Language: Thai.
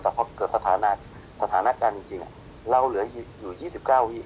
แต่พอเกิดสถานการณ์สถานการณ์จริงจริงเราเหลืออยู่ยี่สิบเก้าวิทย์